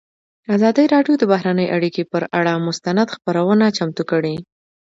ازادي راډیو د بهرنۍ اړیکې پر اړه مستند خپرونه چمتو کړې.